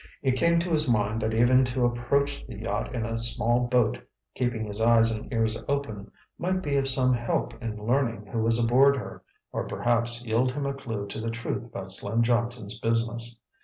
It came to his mind that even to approach the yacht in a small boat, keeping his eyes and ears open, might be of some help in learning who was aboard her, or perhaps yield him a clue to the truth about Slim Johnson's business.